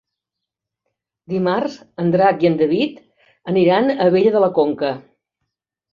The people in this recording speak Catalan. Dimarts en Drac i en David aniran a Abella de la Conca.